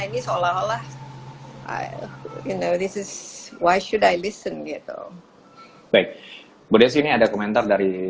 ini seolah olah you know this is why should i listen gitu baik boleh sini ada komentar dari